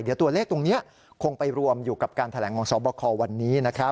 เดี๋ยวตัวเลขตรงนี้คงไปรวมอยู่กับการแถลงของสบควันนี้นะครับ